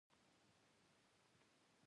احمده! زموږ په خبرو کې مه رالوېږه.